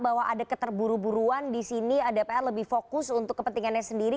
bahwa ada keterburu buruan di sini dpr lebih fokus untuk kepentingannya sendiri